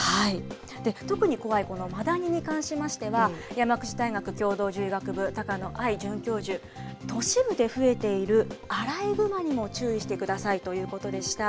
特に怖いこのマダニに関しましては、山口大学共同獣医学部、高野愛準教授、都市部で増えているアライグマにも注意してくださいということでした。